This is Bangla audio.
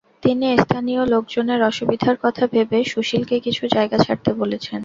তিনি স্থানীয় লোকজনের অসুবিধার কথা ভেবে সুশীলকে কিছু জায়গা ছাড়তে বলেছেন।